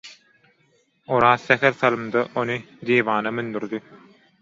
Oraz sähel salymda ony didiwana mündürdi.